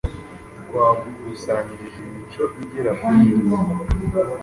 twagukusanyirije imico igera kuri irindwi